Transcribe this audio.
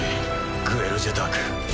グエル・ジェターク。